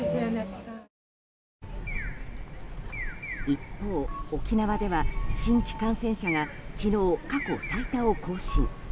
一方、沖縄では新規感染者が昨日、過去最多を更新。